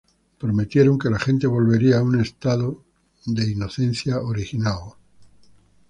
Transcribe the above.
Prometieron que la gente volvería a un estado de inocencia original.